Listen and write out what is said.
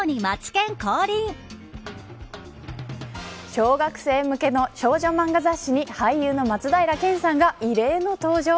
小学生向けの少女漫画雑誌に俳優の松平健さんが異例の登場。